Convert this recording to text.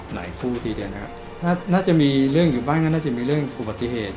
หลายคู่ทีเดือนนะครับน่าจะมีเรื่องอยู่บ้างน่าจะมีเรื่องสู่ปฏิเหตุ